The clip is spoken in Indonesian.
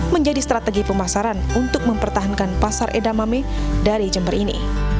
menjadi strategi pemasaran untuk mempertahankan pasar edamame dari jember ini